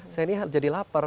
saya ini jadi lapar